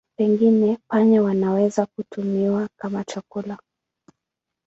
Pengine panya wanaweza kutumiwa kwa chakula.